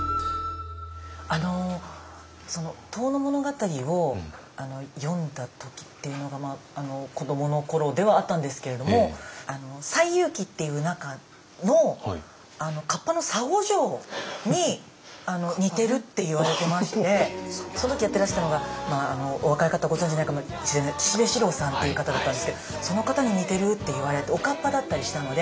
「遠野物語」を読んだ時っていうのが子どもの頃ではあったんですけれども「西遊記」っていう中の河童の沙悟浄に似てるって言われてましてその時やってらしたのがお若い方ご存じないかもしれない岸部シローさんっていう方だったんですけどその方に似てるって言われておかっぱだったりしたので。